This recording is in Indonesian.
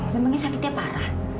memangnya sakitnya parah